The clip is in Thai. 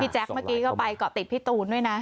แจ๊คเมื่อกี้ก็ไปเกาะติดพี่ตูนด้วยนะ